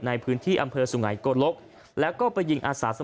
ในพื้นที่อำเภอสุงไหยโกรคและก็ไปยิงอาสาสมัคร